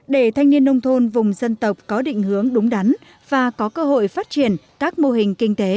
để thanh niên nông thôn vùng dân tộc có định hướng đúng đắn và có cơ hội phát triển các mô hình kinh tế